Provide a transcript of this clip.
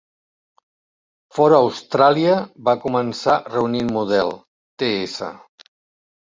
Ford Austràlia va començar reunint Model Ts.